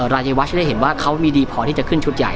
รายวัชได้เห็นว่าเขามีดีพอที่จะขึ้นชุดใหญ่